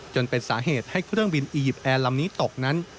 จนเป็นสาเหตุให้เครื่องบินอียิปต์แอร์ลำนี้ตกนั้น